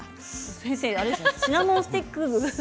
先生、シナモンスティック。